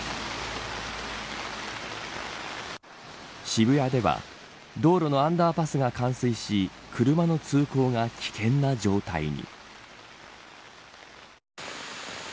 渋谷では道路のアンダーパスが冠水し車の通行が危険な状態に。